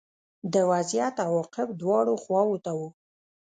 د وضعیت عواقب دواړو خواوو ته وو